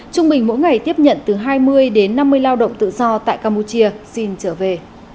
trung bình mỗi ngày tiếp nhận từ hai mươi đến năm mươi lao động tự do tại campuchia xin trở về